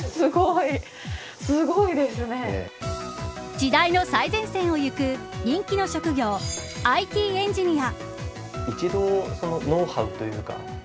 時代の最前線をゆく人気の職業、ＩＴエンジニア。